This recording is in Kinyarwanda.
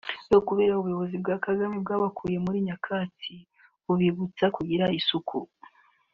ariko kubera ubuyobozi bwa Kagame bwabakuye muri nyakatsi bubigisha kugira isuku